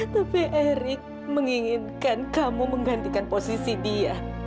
tapi erick menginginkan kamu menggantikan posisi dia